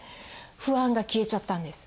不安が消えちゃったんです。